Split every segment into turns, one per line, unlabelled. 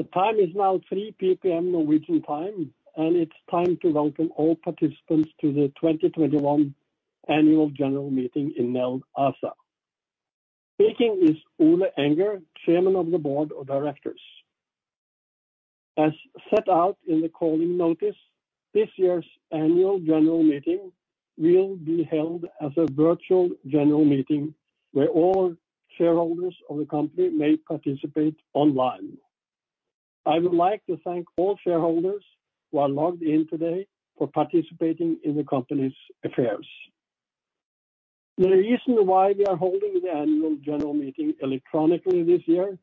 The time is now 3:00 P.M. Norwegian time, and it's time to welcome all participants to the 2021 Annual General Meeting in Nel ASA. Speaking is Ole Enger, Chairman of the Board of Directors. As set out in the calling notice, this year's Annual General Meeting will be held as a virtual general meeting where all shareholders of the company may participate online. I would like to thank all shareholders who are logged in today for participating in the company's affairs. The reason why we are holding the Annual General Meeting electronically this year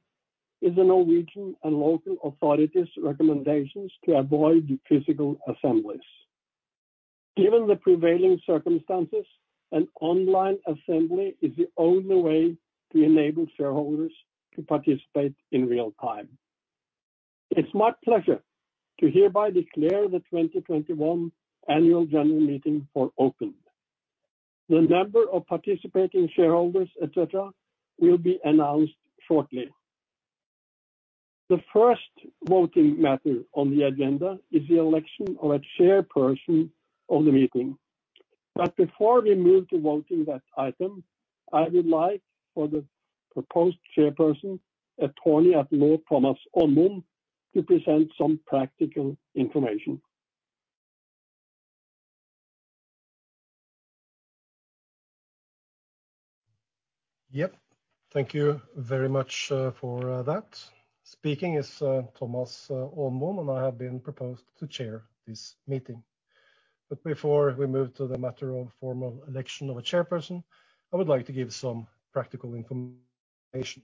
is the Norwegian and local authorities' recommendations to avoid physical assemblies. Given the prevailing circumstances, an online assembly is the only way to enable shareholders to participate in real time. It's my pleasure to hereby declare the 2021 Annual General Meeting for open. The number of participating shareholders, etc., will be announced shortly. The first voting matter on the agenda is the election of a chairperson of the meeting. Before we move to voting that item, I would like for the proposed chairperson, attorney at law Thomas Aanmoen, to present some practical information.
Yep, thank you very much for that. Speaking is Thomas Aanmoen, and I have been proposed to chair this meeting. Before we move to the matter of formal election of a chairperson, I would like to give some practical information.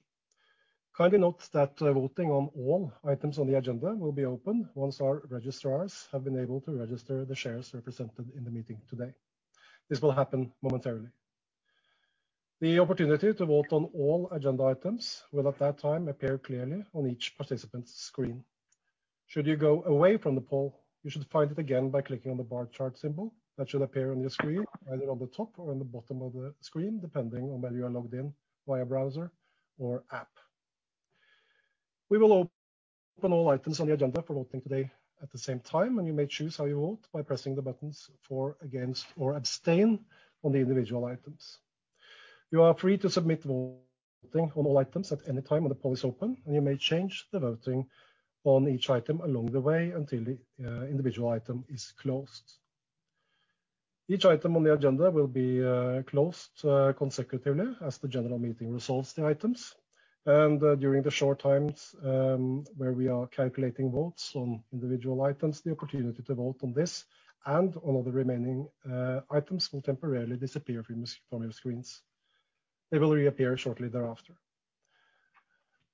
Kindly note that voting on all items on the agenda will be open once our registrars have been able to register the shares represented in the meeting today. This will happen momentarily. The opportunity to vote on all agenda items will at that time appear clearly on each participant's screen. Should you go away from the poll, you should find it again by clicking on the bar chart symbol that should appear on your screen, either on the top or on the bottom of the screen, depending on whether you are logged in via browser or app. We will open all items on the agenda for voting today at the same time, and you may choose how you vote by pressing the buttons for, against, or abstain on the individual items. You are free to submit voting on all items at any time when the polls open, and you may change the voting on each item along the way until the individual item is closed. Each item on the agenda will be closed consecutively as the general meeting resolves the items, and during the short times where we are calculating votes on individual items, the opportunity to vote on this and on all the remaining items will temporarily disappear from your screens. They will reappear shortly thereafter.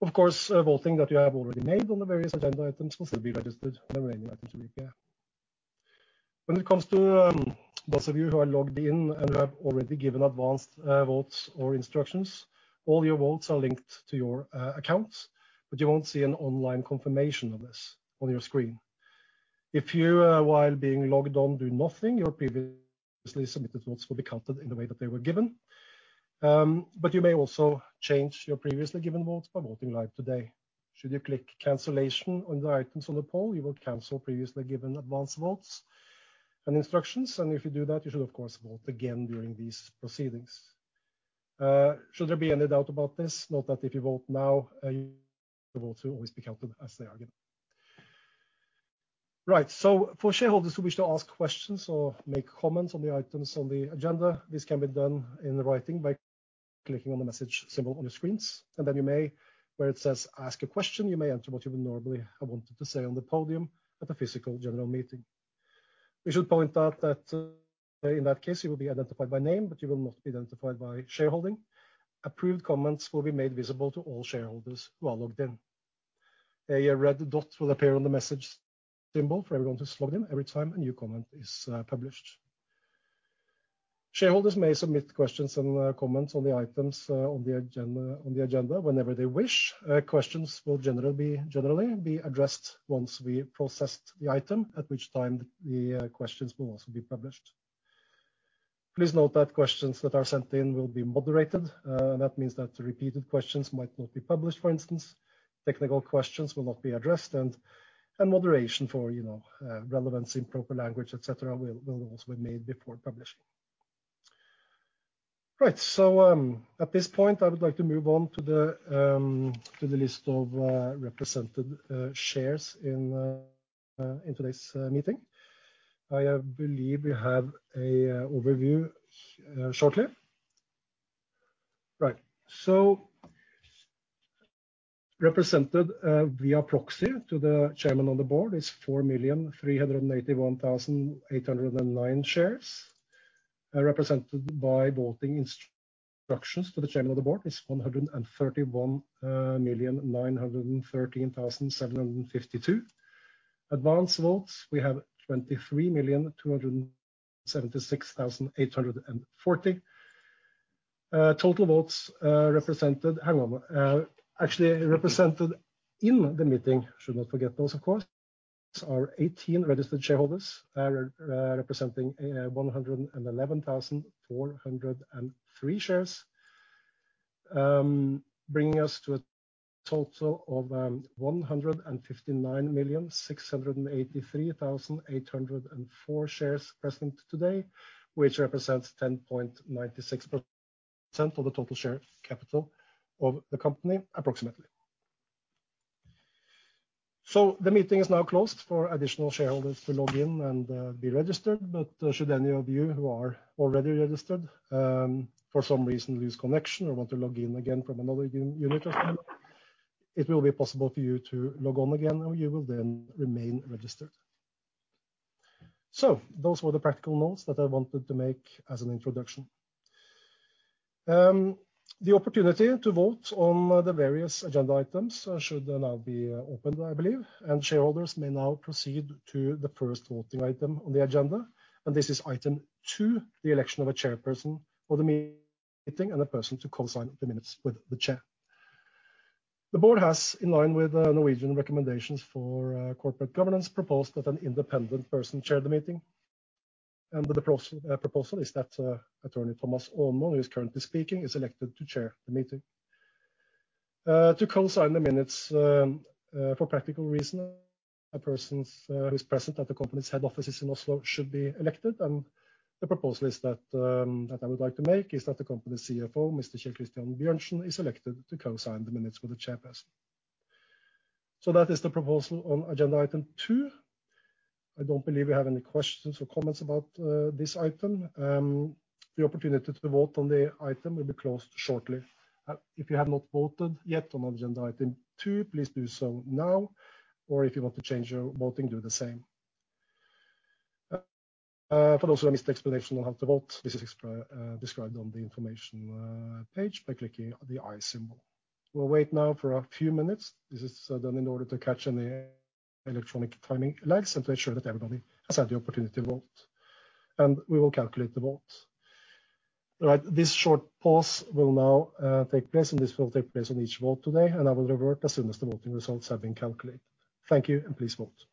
Of course, voting that you have already made on the various agenda items will still be registered on the remaining items of the agenda. When it comes to those of you who are logged in and who have already given advance votes or instructions, all your votes are linked to your account, but you will not see an online confirmation of this on your screen. If you, while being logged on, do nothing, your previously submitted votes will be counted in the way that they were given. You may also change your previously given votes by voting live today. Should you click cancellation on the items on the poll, you will cancel previously given advance votes and instructions, and if you do that, you should, of course, vote again during these proceedings. Should there be any doubt about this, note that if you vote now, your votes will always be counted as they are given. For shareholders who wish to ask questions or make comments on the items on the agenda, this can be done in writing by clicking on the message symbol on your screens, and then you may, where it says ask a question, enter what you would normally have wanted to say on the podium at a physical general meeting. We should point out that in that case, you will be identified by name, but you will not be identified by shareholding. Approved comments will be made visible to all shareholders who are logged in. A red dot will appear on the message symbol for everyone who's logged in every time a new comment is published. Shareholders may submit questions and comments on the items on the agenda whenever they wish. Questions will generally be addressed once we process the item, at which time the questions will also be published. Please note that questions that are sent in will be moderated, and that means that repeated questions might not be published, for instance. Technical questions will not be addressed, and moderation for, you know, relevance, improper language, etc., will also be made before publishing. Right, at this point, I would like to move on to the list of represented shares in today's meeting. I believe we have an overview shortly. Right, represented via proxy to the Chairman of the Board is 4,381,809 shares. Represented by voting instructions to the Chairman of the Board is 131,913,752. Advance votes, we have 23,276,840. Total votes represented, hang on, actually represented in the meeting, should not forget those, of course, are 18 registered shareholders representing 111,403 shares. Bringing us to a total of 159,683,804 shares present today, which represents 10.96% of the total share capital of the company, approximately. The meeting is now closed for additional shareholders to log in and be registered, but should any of you who are already registered, for some reason, lose connection or want to log in again from another unit or something, it will be possible for you to log on again, and you will then remain registered. Those were the practical notes that I wanted to make as an introduction. The opportunity to vote on the various agenda items should now be opened, I believe, and shareholders may now proceed to the first voting item on the agenda, and this is item two, the election of a chairperson of the meeting and a person to co-sign the minutes with the chair. The Board has, in line with Norwegian recommendations for corporate governance, proposed that an independent person chair the meeting. The proposal is that attorney Thomas Aanmoen, who is currently speaking, is elected to chair the meeting. To co-sign the minutes, for practical reasons, a person who is present at the company's head offices in Oslo should be elected, and the proposal that I would like to make is that the company's CFO, Mr. Kjell Christian Bjørnsen, is elected to co-sign the minutes with the chairperson. That is the proposal on agenda item two. I don't believe we have any questions or comments about this item. The opportunity to vote on the item will be closed shortly. If you have not voted yet on agenda item two, please do so now, or if you want to change your voting, do the same. For those who have missed the explanation on how to vote, this is described on the information page by clicking the "i" symbol. We'll wait now for a few minutes. This is done in order to catch any electronic timing lags and to ensure that everybody has had the opportunity to vote. We will calculate the vote. This short pause will now take place, and this will take place on each vote today. I will revert as soon as the voting results have been calculated. Thank you, and please vote.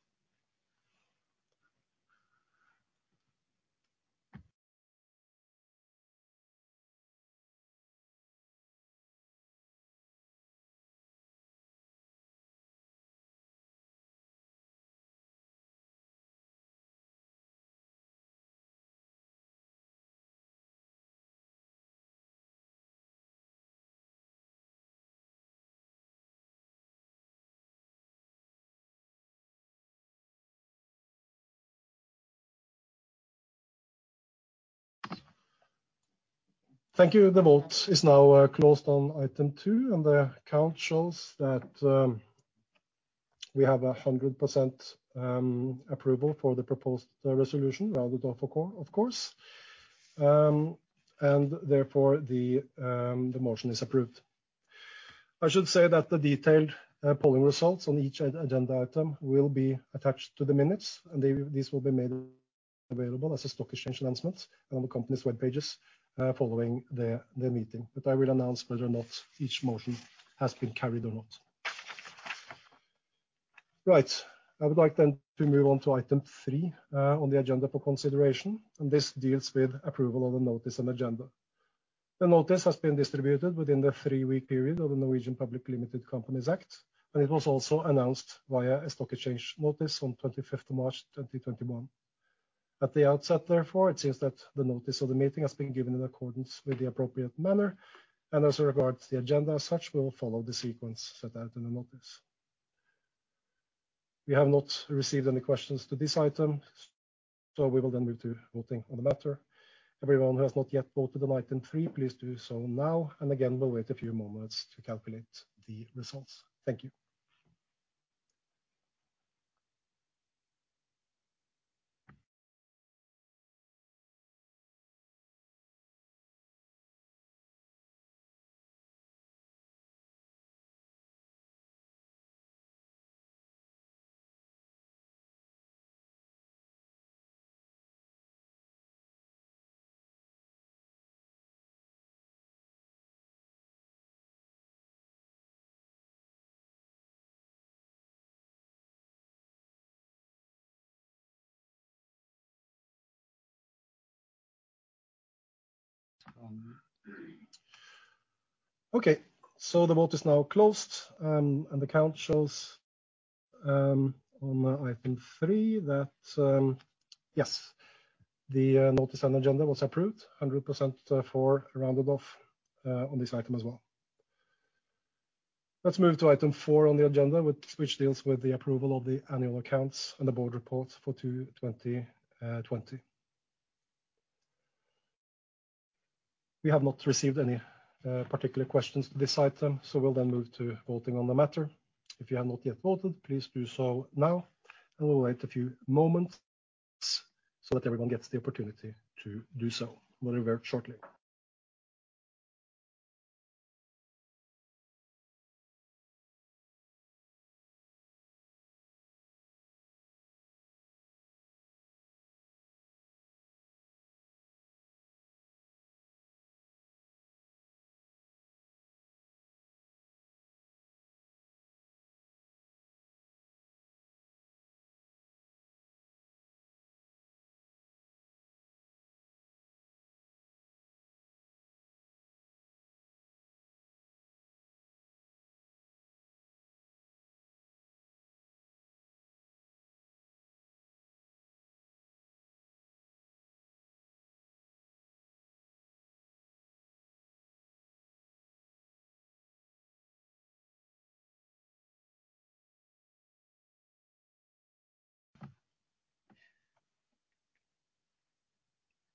Thank you. The vote is now closed on item two, and the count shows that we have 100% approval for the proposed resolution, rather than for, of course. Therefore, the motion is approved. I should say that the detailed polling results on each agenda item will be attached to the minutes, and these will be made available as a stock exchange announcement on the company's web pages following the meeting. I will announce whether or not each motion has been carried or not. Right, I would like then to move on to item three on the agenda for consideration, and this deals with approval of the notice and agenda. The notice has been distributed within the three-week period of the Norwegian Public Limited Companies Act, and it was also announced via a stock exchange notice on 25 March 2021. At the outset, therefore, it seems that the notice of the meeting has been given in accordance with the appropriate manner, and as regards the agenda as such, we will follow the sequence set out in the notice. We have not received any questions to this item. We will then move to voting on the matter. Everyone who has not yet voted on item three, please do so now, and again, we'll wait a few moments to calculate the results. Thank you. Okay, the vote is now closed, and the count shows on item three that, yes, the notice and agenda was approved, 100% for rounded off on this item as well. Let's move to item four on the agenda, which deals with the approval of the annual accounts and the Board report for 2020. We have not received any particular questions to this item, so we'll then move to voting on the matter. If you have not yet voted, please do so now, and we'll wait a few moments so that everyone gets the opportunity to do so.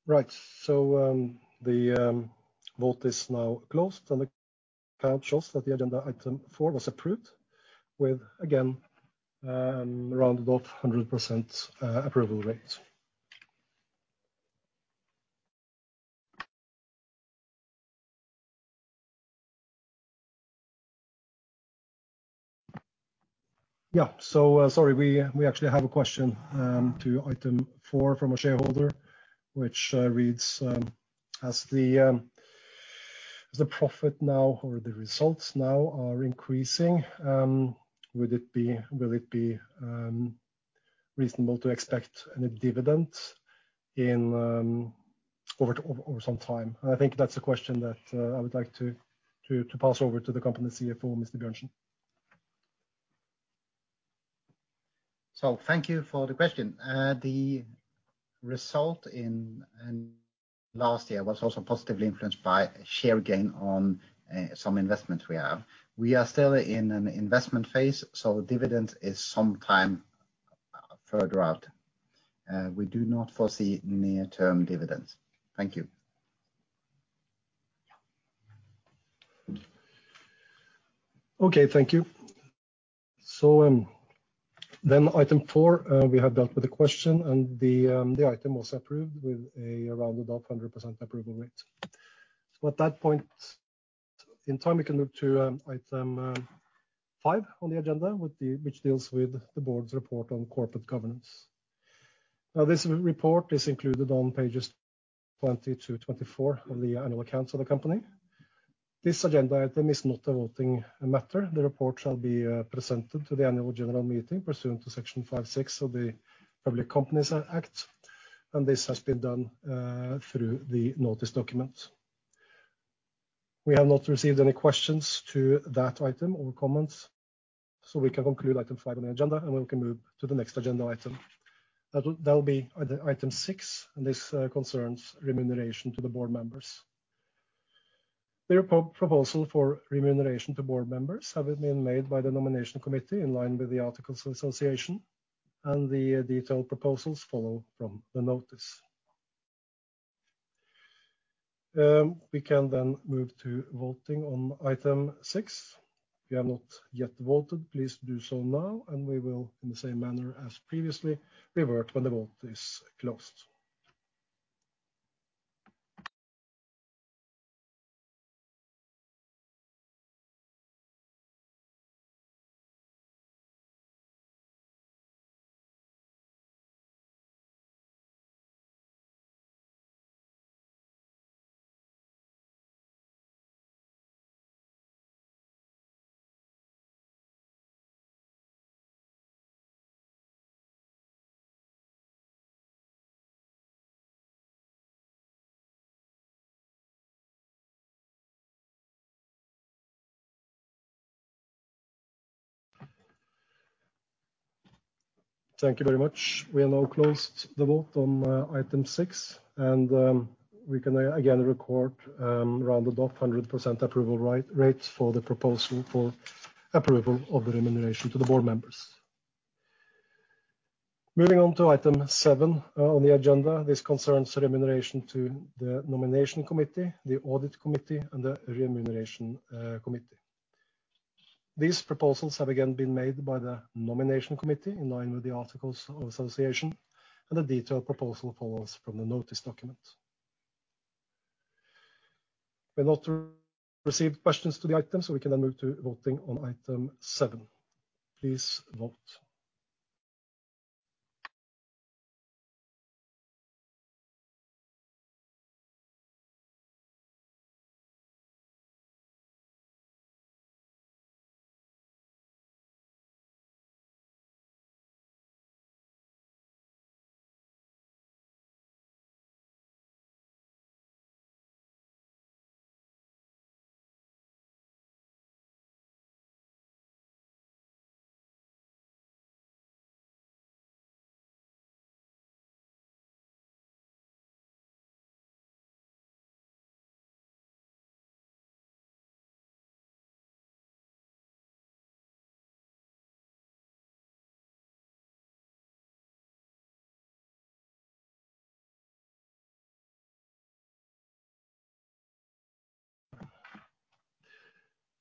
We'll revert shortly. Right, the vote is now closed, and the count shows that agenda item four was approved with, again, rounded off 100% approval rates. Yeah, so sorry, we actually have a question to item four from a shareholder, which reads: As the profit now, or the results now, are increasing, will it be reasonable to expect a dividend in over some time? I think that's a question that I would like to pass over to the company's CFO, Mr. Bjørnsen.
Thank you for the question. The result in last year was also positively influenced by share gain on some investments we have. We are still in an investment phase, so dividends are sometime further out. We do not foresee near-term dividends. Thank you.
Thank you. Then item four, we have dealt with the question, and the item was approved with a rounded off 100% approval rate. At that point in time, we can move to item five on the agenda, which deals with the Board's report on corporate governance. This report is included on Pages 20 to 24 of the annual accounts of the company. This agenda item is not a voting matter. The report shall be presented to the annual general meeting pursuant to Section 5(6) of the Public Companies Act, and this has been done through the notice document. We have not received any questions to that item or comments, so we can conclude item five on the agenda, and we can move to the next agenda item. That will be item six, and this concerns remuneration to the Board members. The proposal for remuneration to Board members has been made by the Nomination Committee in line with the Articles of Association, and the detailed proposals follow from the notice. We can then move to voting on item six. If you have not yet voted, please do so now, and we will, in the same manner as previously, revert when the vote is closed. Thank you very much. We have now closed the vote on item six, and we can again record rounded off 100% approval rate for the proposal for approval of the remuneration to the Board members. Moving on to item seven on the agenda, this concerns remuneration to the Nomination Committee, the Audit Committee, and the Remuneration Committee. These proposals have again been made by the Nomination Committee in line with the Articles of Association, and the detailed proposal follows from the notice document. We have not received questions to the item, so we can then move to voting on item seven. Please vote.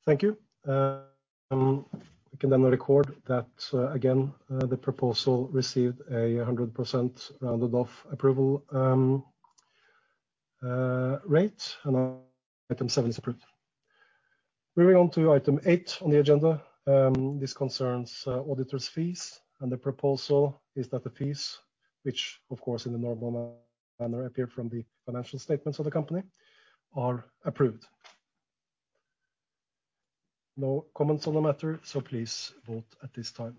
Thank you. We can then record that again, the proposal received a 100% rounded off approval rate, and item seven is approved. Moving on to item eight on the agenda, this concerns auditor's fees, and the proposal is that the fees, which, of course, in the normal manner appear from the financial statements of the company, are approved. No comments on the matter, so please vote at this time.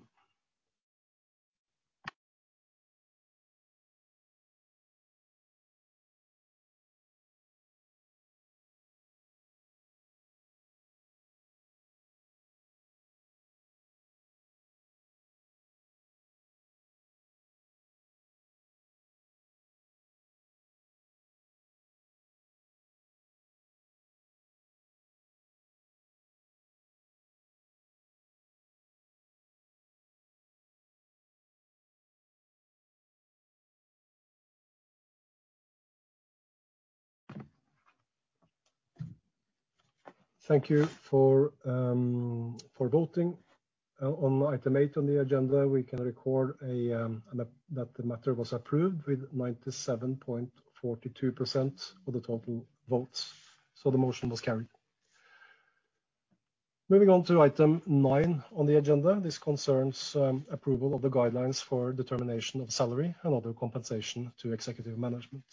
Thank you for voting. On item eight on the agenda, we can record that the matter was approved with 97.42% of the total votes, so the motion was carried. Moving on to item nine on the agenda, this concerns approval of the guidelines for determination of salary and other compensation to executive management.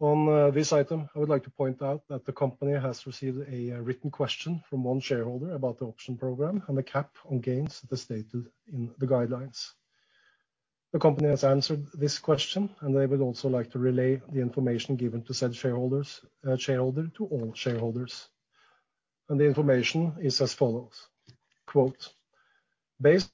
On this item, I would like to point out that the company has received a written question from one shareholder about the option program and the cap on gains that are stated in the guidelines. The company has answered this question, and they would also like to relay the information given to said shareholder to all shareholders. The information is as follows. Based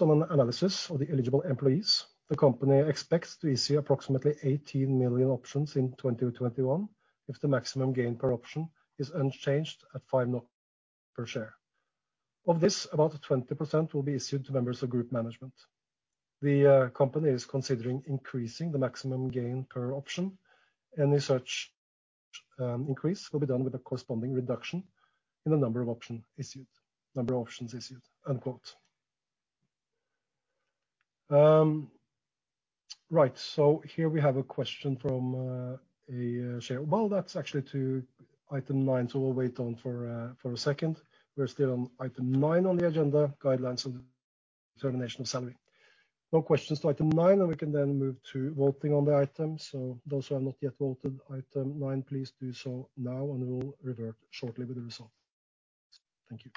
on an analysis of the eligible employees, the company expects to issue approximately 18 million options in 2021 if the maximum gain per option is unchanged at five per share. Of this, about 20% will be issued to members of group management. The company is considering increasing the maximum gain per option, and the increase will be done with a corresponding reduction in the number of options issued. Here we have a question from a shareholder. That is actually to item nine, so we will wait on for a second. We are still on item nine on the agenda, guidelines on the determination of salary. No questions to item nine, and we can then move to voting on the item. Those who have not yet voted item nine, please do so now, and we will revert shortly with the result. Thank you.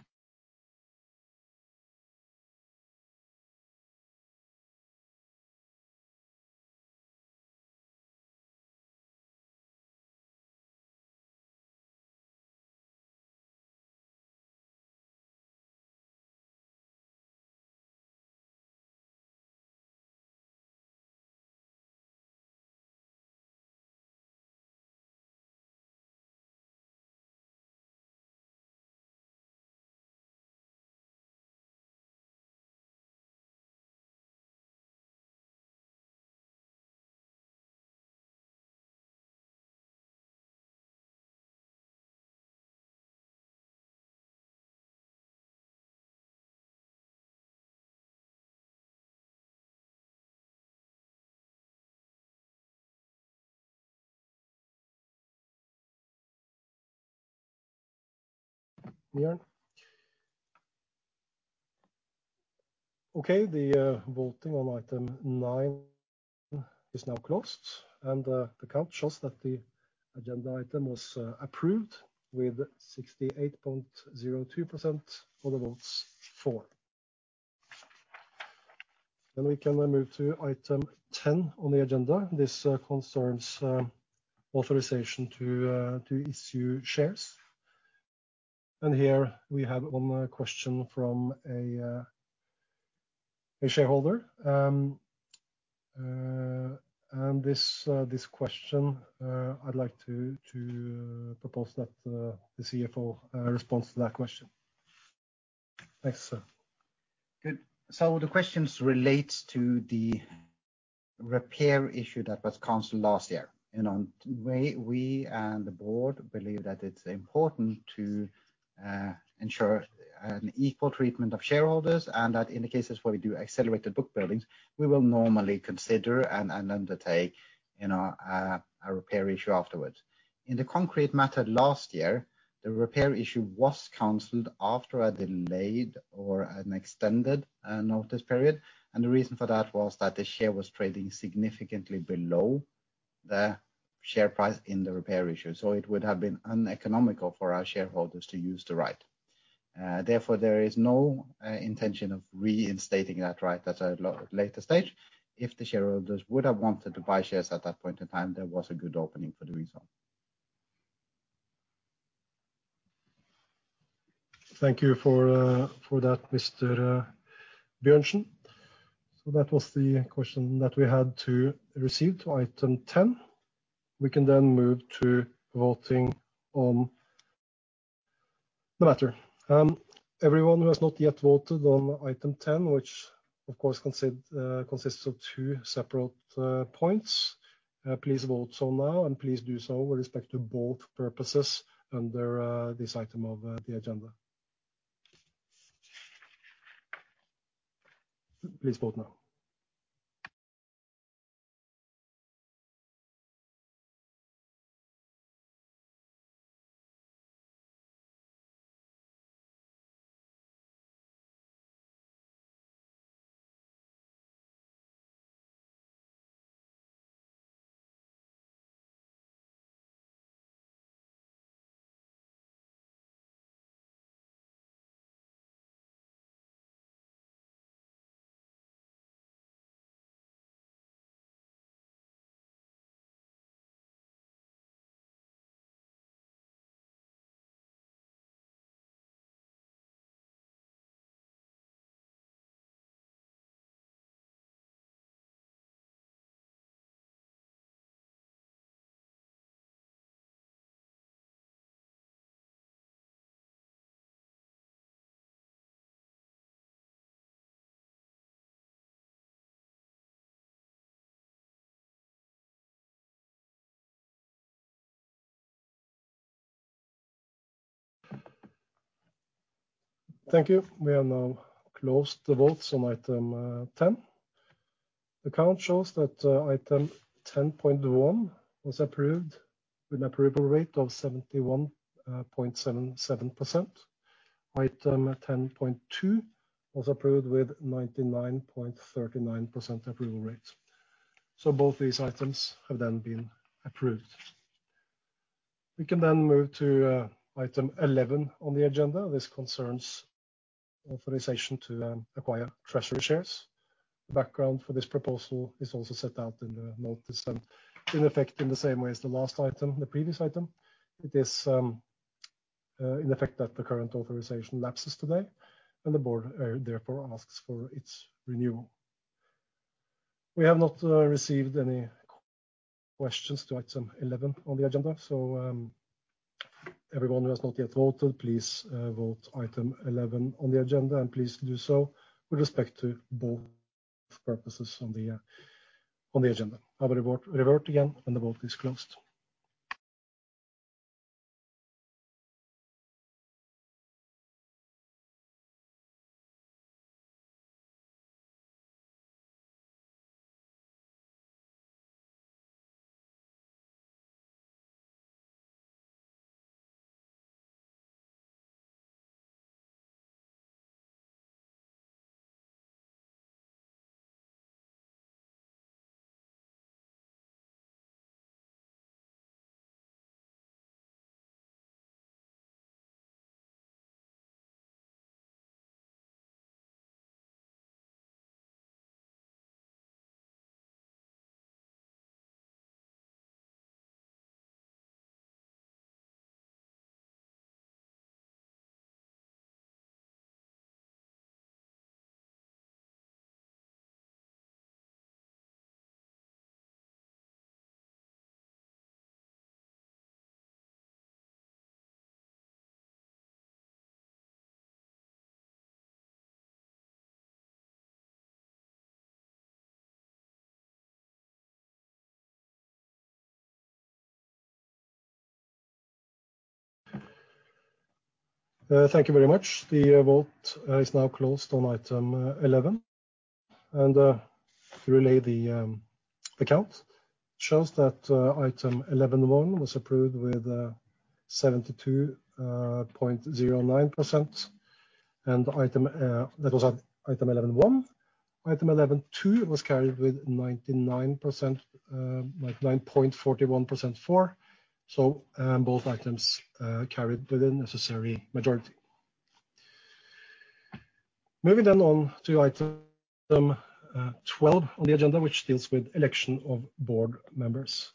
The voting on item nine is now closed, and the count shows that the agenda item was approved with 68.02% of the votes for. We can move to item ten on the agenda. This concerns authorization to issue shares. Here we have one question from a shareholder. I would like to propose that the CFO responds to that question. Thanks.
The questions relate to the repair issue that was canceled last year. We and the Board believe that it is important to ensure an equal treatment of shareholders, and that in the cases where we do accelerated book buildings, we will normally consider and undertake a repair issue afterwards. In the concrete matter last year, the repair issue was canceled after a delayed or an extended notice period, and the reason for that was that the share was trading significantly below the share price in the repair issue, so it would have been uneconomical for our shareholders to use the right. Therefore, there is no intention of reinstating that right at a later stage. If the shareholders would have wanted to buy shares at that point in time, there was a good opening for doing so.
Thank you for that, Mr. Bjørnsen. That was the question that we had to receive to item ten. We can then move to voting on the matter. Everyone who has not yet voted on item ten, which of course consists of two separate points, please vote now, and please do so with respect to both purposes under this item of the agenda. Please vote now. Thank you. We have now closed the vote on item ten. The count shows that item 10.1 was approved with an approval rate of 71.77%. Item 10.2 was approved with 99.39% approval rates. Both these items have then been approved. We can then move to item 11 on the agenda. This concerns authorization to acquire treasury shares. The background for this proposal is also set out in the notice and in effect in the same way as the last item, the previous item. It is in effect that the current authorization lapses today, and the Board therefore asks for its renewal. We have not received any questions to item 11 on the agenda, so everyone who has not yet voted, please vote item 11 on the agenda, and please do so with respect to both purposes on the agenda. I will revert again when the vote is closed. Thank you very much. The vote is now closed on item 11. To relay the count, it shows that item 11.1 was approved with 72.09%. That was at item 11.1. Item 11.2 was carried with 99.41% for. Both items carried with the necessary majority. Moving then on to item 12 on the agenda, which deals with election of Board members.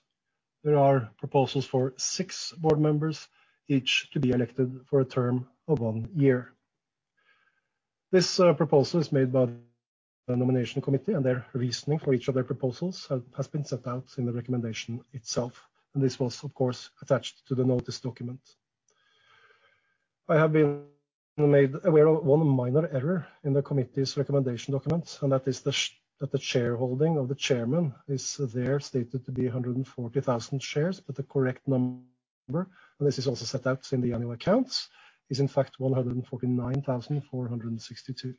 There are proposals for six Board members, each to be elected for a term of one year. This proposal is made by the Nomination Committee, and their reasoning for each of their proposals has been set out in the recommendation itself. This was, of course, attached to the notice document. I have been made aware of one minor error in the committee's recommendation documents, and that is that the shareholding of the chairman is there stated to be 140,000 shares, but the correct number, and this is also set out in the annual accounts, is in fact 149,462.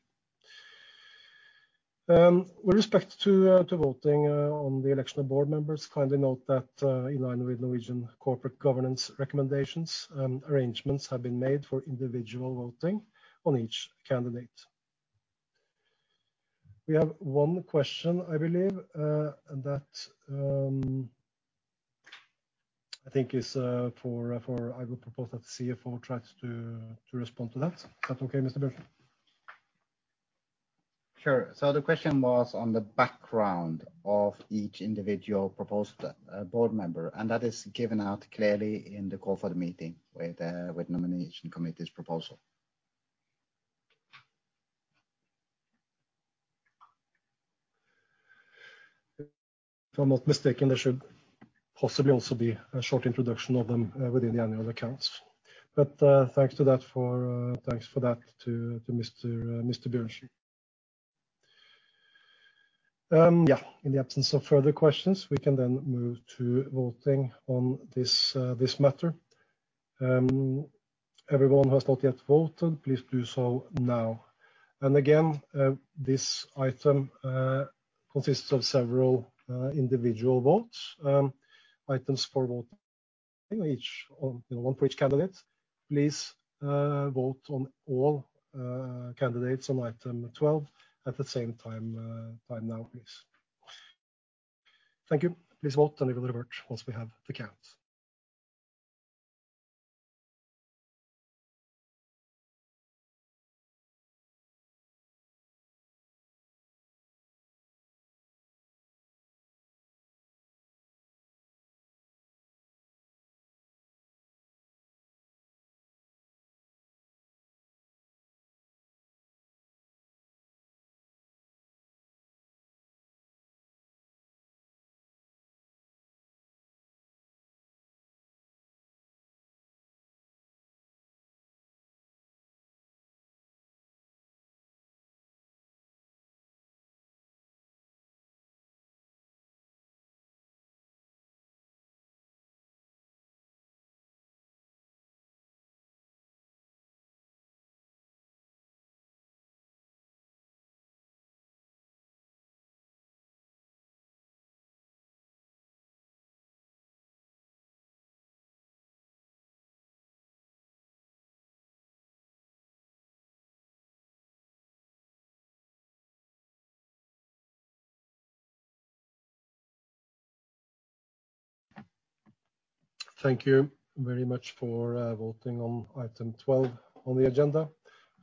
With respect to voting on the election of Board members, kindly note that in line with Norwegian corporate governance recommendations, arrangements have been made for individual voting on each candidate. We have one question, I believe, that I think is for, I will propose that the CFO tries to respond to that. Is that okay, Mr. Bjørnsen?
Sure. The question was on the background of each individual proposed Board member, and that is given out clearly in the call for the meeting with the Nomination Committee's proposal.
If I'm not mistaken, there should possibly also be a short introduction of them within the annual accounts. Thanks for that to Mr. Bjørnsen. Yeah, in the absence of further questions, we can then move to voting on this matter. Everyone who has not yet voted, please do so now. This item consists of several individual votes, items for voting, one for each candidate. Please vote on all candidates on item 12 at the same time now, please. Thank you. Please vote, and we will revert once we have the count. Thank you very much for voting on item 12 on the agenda.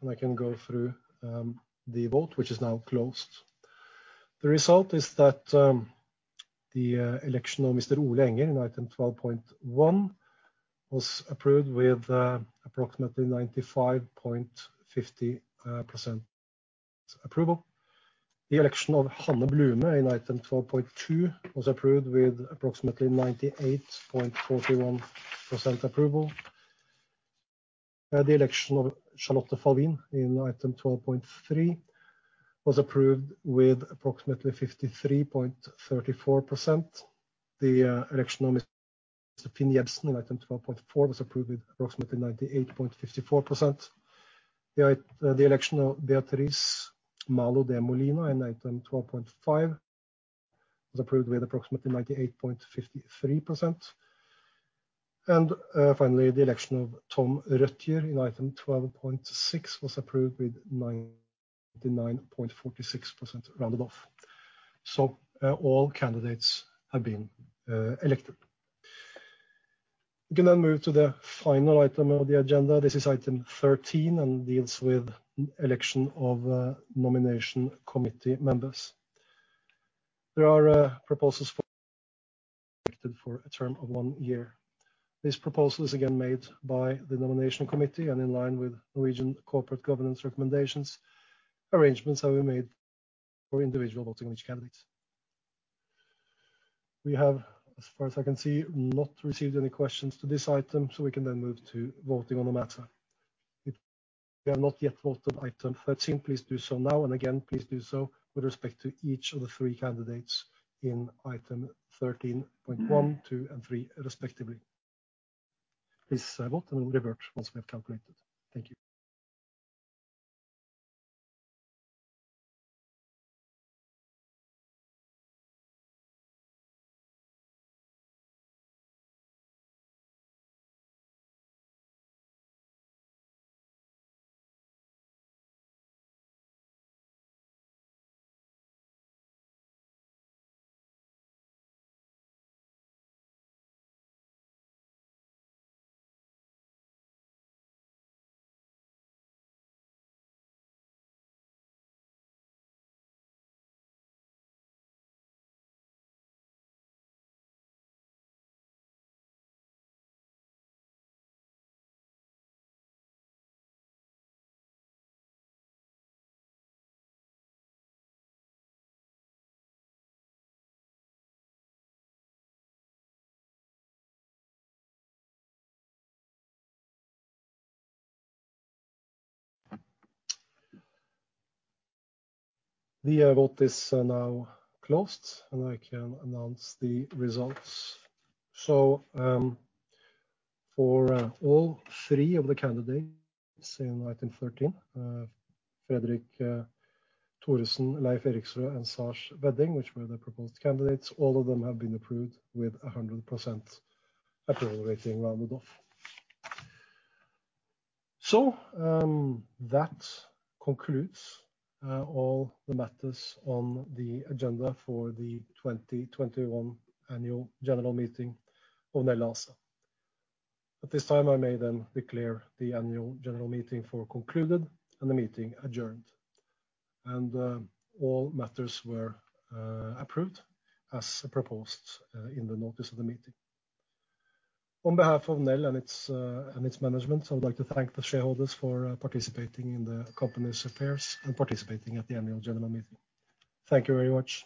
I can go through the vote, which is now closed. The result is that. The election of Mr. Ole Enger in item 12.1 was approved with approximately 95.50% approval. The election of Hanne Blume in item 12.2 was approved with approximately 98.41% approval. The election of Charlotta Falvin in item 12.3 was approved with approximately 53.34%. The election of Mr. Finn Jebsen in item 12.4 was approved with approximately 98.54%. The election of Beatriz Malo de Molina in item 12.5 was approved with approximately 98.53%. Finally, the election of Tom Røtjer in item 12.6 was approved with 99.46% rounded off. All candidates have been elected. We can then move to the final item of the agenda. This is item 13 and deals with the election of Nomination Committee members. There are proposals for elected for a term of one year. This proposal is again made by the Nomination Committee, and in line with Norwegian corporate governance recommendations, arrangements have been made for individual voting on each candidate. We have, as far as I can see, not received any questions to this item, so we can then move to voting on the matter. If you have not yet voted on item 13, please do so now, and again, please do so with respect to each of the three candidates in item 13.1, 2, and 3 respectively. Please vote and we'll revert once we have calculated. Thank you. The vote is now closed, and I can announce the results. For all three of the candidates in item 13, Fredrik Thoresen, Leif Eriksrød, and Lars Schedin, which were the proposed candidates, all of them have been approved with 100% approval rating rounded off. That concludes all the matters on the agenda for the 2021 annual general meeting of Nel ASA. At this time, I may then declare the annual general meeting for concluded and the meeting adjourned. All matters were approved as proposed in the notice of the meeting. On behalf of Nel and its management, I would like to thank the shareholders for participating in the company's affairs and participating at the annual general meeting. Thank you very much.